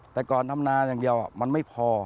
แต่ก่อนทำนาอย่างเดียวมันไม่พอ